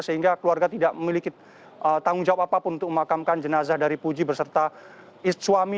sehingga keluarga tidak memiliki tanggung jawab apapun untuk memakamkan jenazah dari puji berserta suami dan keempat anaknya maksud saya